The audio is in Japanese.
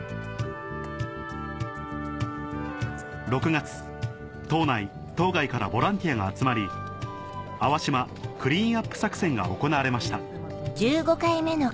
月島内島外からボランティアが集まり「粟島クリーンアップ作戦」が行われました